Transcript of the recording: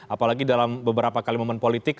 apalagi dalam beberapa kali momen politik